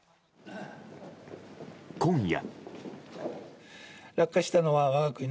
今夜。